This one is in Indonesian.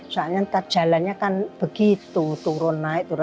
soalnya ntar jalannya kan begitu turun naik turun